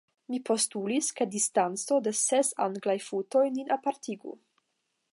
Mi postulis, ke distanco da ses Anglaj futoj nin apartigu.